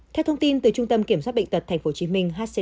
theo thông tin từ trung tâm kiểm soát bệnh tật tp hcm